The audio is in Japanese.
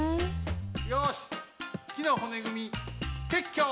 よしきのほねぐみてっきょ！